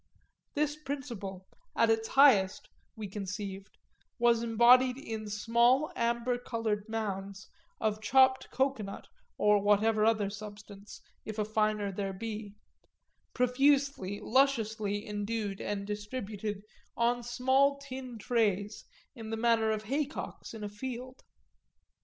This principle, at its highest, we conceived, was embodied in small amber coloured mounds of chopped cocoanut or whatever other substance, if a finer there be; profusely, lusciously endued and distributed on small tin trays in the manner of haycocks in a field.